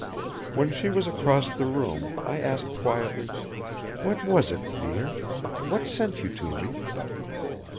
When she was across the room, I asked quietly: "What was it, Vere? What sent you to me?"